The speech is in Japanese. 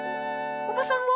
おばさんは？